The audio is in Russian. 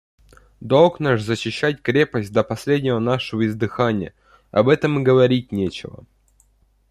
– Долг наш защищать крепость до последнего нашего издыхания; об этом и говорить нечего.